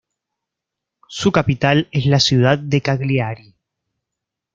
Su capital es la ciudad de Cagliari.